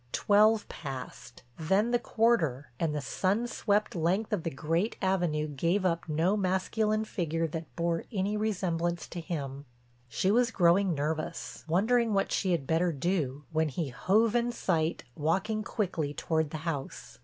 Twelve passed, then the quarter, and the sun swept length of the great avenue gave up no masculine figure that bore any resemblance to him. She was growing nervous, wondering what she had better do, when he hove in sight walking quickly toward the house.